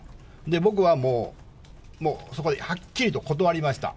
僕はもう、そこではっきりと断りました。